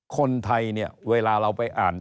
คนไทยเนี่ยเวลาเราไปอ่าน